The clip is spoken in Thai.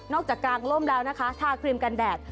จากกางล่มแล้วนะคะทาครีมกันแดด